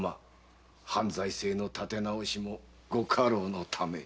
藩財政の立て直しもご家老のため。